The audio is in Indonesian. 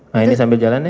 nah ini sambil jalan ya